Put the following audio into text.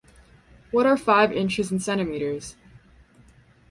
What are five inches in centimeters?